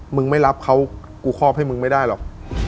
ไม่รับเขากูครอบให้มึงไม่ได้หรอก